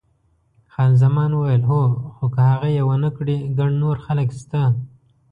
خان زمان وویل، هو، خو که هغه یې ونه کړي ګڼ نور خلک شته.